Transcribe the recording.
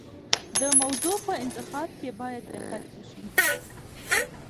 د موضوع په انتخاب کې باید دقت وشي.